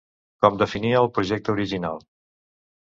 Com definia el projecte original.